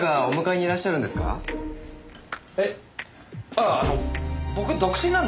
あああの僕独身なんで。